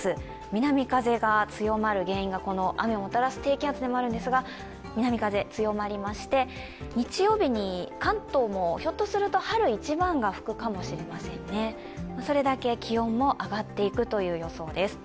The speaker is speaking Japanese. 南風が強まる原因がこの雨をもたらす低気圧でもあるんですが南風が強まりまして、日曜日も関東もひょっとすると春一番が吹くかもしれませんね、それだけ気温も上がっていくという予想です。